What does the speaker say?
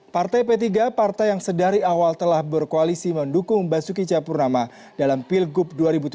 partai p tiga partai yang sedari awal telah berkoalisi mendukung basuki capurnama dalam pilgub dua ribu tujuh belas